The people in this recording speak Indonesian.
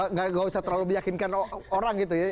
nggak usah terlalu meyakinkan orang gitu ya